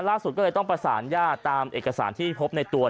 ล่าสุดก็เลยต้องประสานญาติตามเอกสารที่พบในตัว